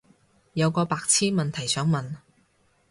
有個白癡問題想問